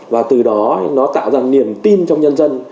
và từ đó nó tạo ra niềm tin trong nhân dân